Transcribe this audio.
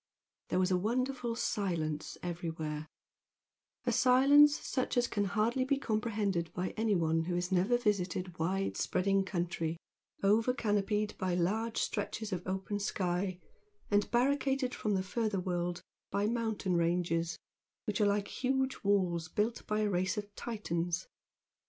There was a wonderful silence everywhere, a silence such as can hardly be comprehended by anyone who has never visited wide spreading country, over canopied by large stretches of open sky, and barricaded from the further world by mountain ranges which are like huge walls built by a race of Titans.